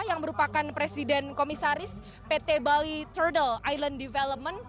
yang merupakan presiden komisaris pt bali turdal island development